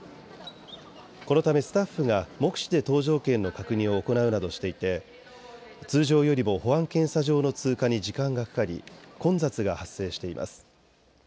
このためスタッフが目視で搭乗券の確認を行うなどしていて通常よりも保安検査場の通過に時間がかかり混雑が発生しています。